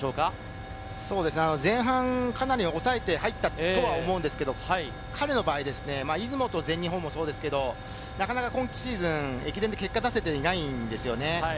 前半かなり抑えて入ったとは思うんですけれど、彼の場合、出雲と全日本もそうですが、今シーズン、駅伝で結果を出せていないんですよね。